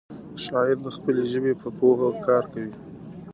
شاعر د خپلې ژبې په پوهه کار کوي.